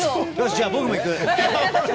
じゃあ、僕も行く！